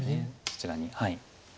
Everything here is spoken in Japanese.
そちらに。